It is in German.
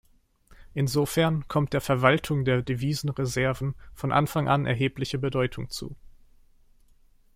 Insofern kommt der Verwaltung der Devisenreserven von Anfang an erhebliche Bedeutung zu.